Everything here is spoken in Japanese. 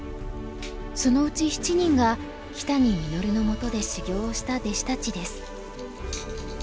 そのうち７人が木谷實の下で修業をした弟子たちです。